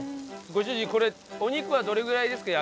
ご主人これお肉はどれぐらいですか？